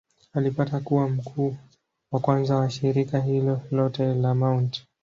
Alipata kuwa mkuu wa kwanza wa shirika hilo lote la Mt.